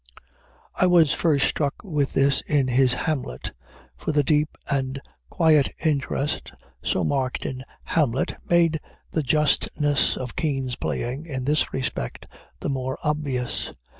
I was first struck with this in his Hamlet; for the deep and quiet interest, so marked in Hamlet, made the justness of Kean's playing, in this respect, the more obvious.